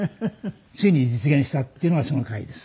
ついに実現したっていうのがその回です。